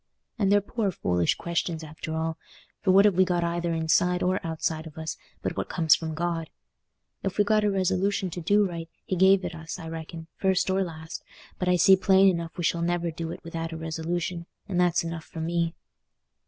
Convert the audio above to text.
And they're poor foolish questions after all; for what have we got either inside or outside of us but what comes from God? If we've got a resolution to do right, He gave it us, I reckon, first or last; but I see plain enough we shall never do it without a resolution, and that's enough for me."